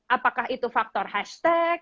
apakah itu faktor hashtag